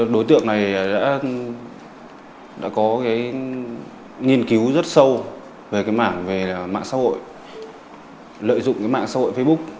đối tượng này đã có nghiên cứu rất sâu về mạng xã hội lợi dụng mạng xã hội facebook